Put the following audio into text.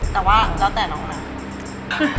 แต่ว่าแล้วแต่น้องนะ